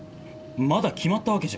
まだ決まったわけじゃ。